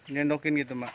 nyendokin gitu mak